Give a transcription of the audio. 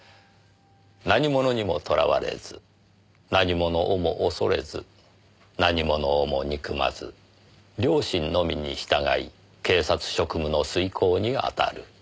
何ものにもとらわれず何ものをも恐れず何ものをも憎まず良心のみに従い警察職務の遂行に当たる。